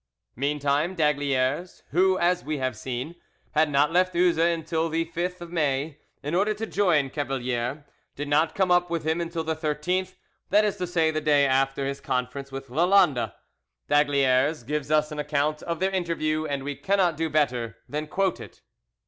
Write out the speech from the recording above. Meantime d'Aygaliers, who, as we have seen, had not left Uzes until the 5th May, in order to join Cavalier, did not come up with him until the 13th, that is to say, the day after his conference with Lalande. D'Aygaliers gives us an account of their interview, and we cannot do better than quote it.